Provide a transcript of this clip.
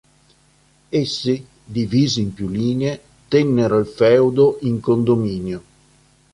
Essi, divisi in più linee, tennero il feudo in condominio.